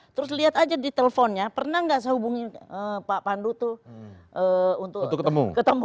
terus lihat aja di teleponnya pernah nggak saya hubungi pak pandu tuh untuk ketemu